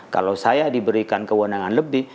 kalau saya diberikan kewenangan lebih